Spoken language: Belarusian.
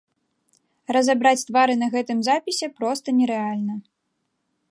Разабраць твары на гэтым запісе проста нерэальна.